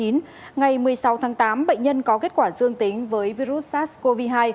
ngày một mươi sáu tháng tám bệnh nhân có kết quả dương tính với virus sars cov hai